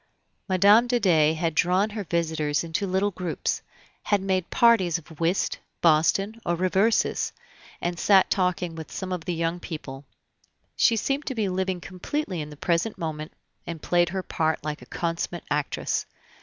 Mme. de Dey had drawn her visitors into little groups, had made parties of whist, boston, or reversis, and sat talking with some of the young people; she seemed to be living completely in the present moment, and played her part like a consummate actress.